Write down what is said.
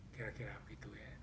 kira kira begitu ya